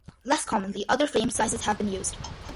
Less commonly, other frame sizes have been used.